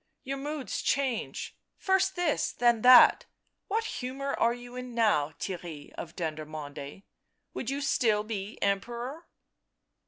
" Your moods change — first this, then that; what humour are you in now, Theirry of Dendermonde; would you still be Emperor